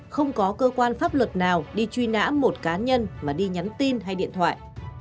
không có cơ quan pháp luật nào đi truy nã một cá nhân mà đi nhắn tin hay điện thoại